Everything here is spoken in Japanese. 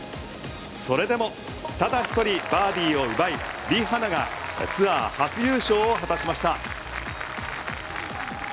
それでもただ１人バーディーを奪いリ・ハナがツアー初優勝を果たしました。